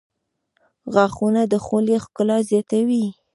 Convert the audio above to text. • غاښونه د خولې ښکلا زیاتوي.